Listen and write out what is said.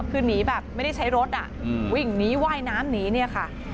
คือนีแบบไม่ได้ใช้รถวิ่งหนีว่ายน้ำหนี